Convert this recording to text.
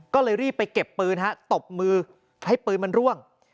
ก็เลยรีบไปเก็บปืนฮะตบมือให้ปืนมันร่วง